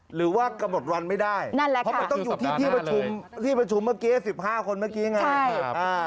หรือว่ากำหนดร้อนไม่ได้เพราะมันต้องอยู่ที่ประชุมเมื่อกี้๑๕คนเมื่อกี้ไงครับนั่นแหละค่ะ